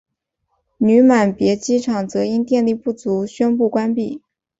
女满别机场则因电力不足宣布关闭。